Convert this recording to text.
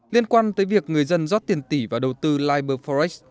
liên quan tới việc người dân rót tiền tỷ và đầu tư liberforest